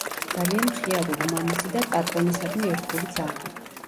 ძალიან მხიარული, მამაცი და პატრონისადმი ერთგული ძაღლი.